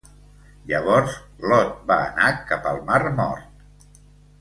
Llavors, Lot va anar cap al mar Mort.